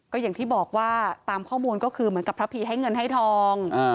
ก็อย่างที่บอกว่าตามข้อมูลก็คือเหมือนกับพระพีให้เงินให้ทอง